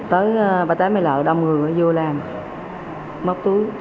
tới ba mươi tám lê lợi đông người vô làm móc túi